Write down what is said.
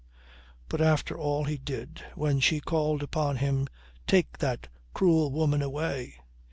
But after all he did, when she called upon him, take "that cruel woman away."